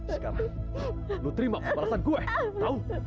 sekarang lu terima balasan gue tau